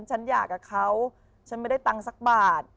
ฉันอยากกับเขาฉันไม่ได้ตังค์สักบาท